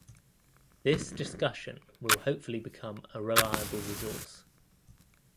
This discussion will hopefully become a reliable resource